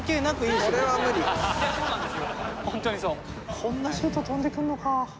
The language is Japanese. こんなシュート飛んでくんのか。